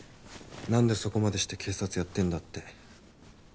何でそこまでして警察やってんだって。